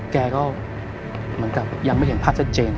แกก็เหมือนกับยังไม่เห็นภาพชัดเจน